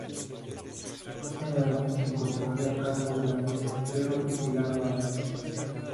Más adelante se incorporarían Carlos Ballesteros y Pilar Velázquez.